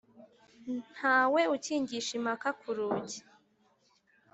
Ntawe ukingisha impaka kurugi